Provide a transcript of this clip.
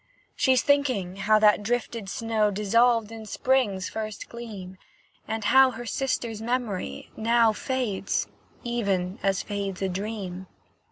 She's thinking how that drifted snow Dissolved in spring's first gleam, And how her sister's memory now Fades, even as fades a dream.